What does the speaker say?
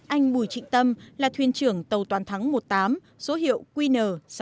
anh bùi trịnh tâm là thuyền trưởng tàu toàn thắng một mươi tám số hiệu qn sáu nghìn sáu trăm một mươi năm